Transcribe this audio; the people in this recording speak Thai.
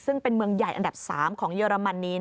ซึ่งเป็นเมืองใหญ่อันดับ๓ของเยอรมนี